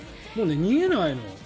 逃げないの。